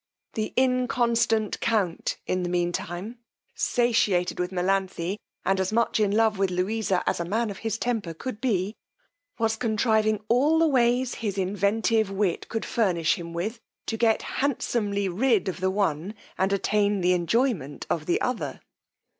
The inconstant count, in the mean time, satieted with Melanthe, and as much in love with Louisa as a man of his temper could be, was contriving all the ways his inventive wit could furnish him with to get handsomely rid of the one, and attain the enjoyment of the other.